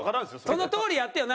そのとおりやってよ。